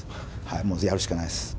もうやるしかないです。